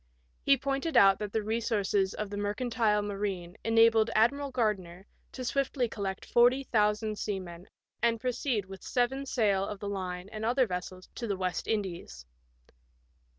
He pointed out that the resoiurces of the mercantile marine enabled Admiral Gardner to swiftly collect forty thousand seamen and proceed with seven sail of the line and other vessels to the West Indies.